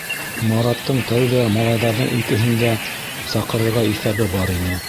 Мараттың тәүҙә малайҙарҙың икеһен дә саҡырырға иҫәбе бар ине.